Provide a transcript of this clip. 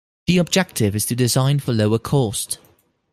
The objective is to design for lower cost.